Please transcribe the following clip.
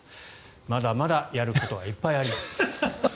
まだまだやることはいっぱいあります。